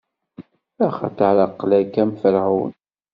Axaṭer aql-ak am Ferɛun.